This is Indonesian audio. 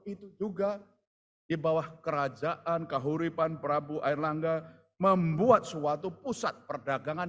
itu juga dibawah kerajaan kahuriban prabu erlangga membuat suatu pusat perdagangan